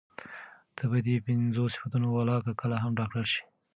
ته په دې پينځو صنفونو ولاکه کله هم ډاکټره شې.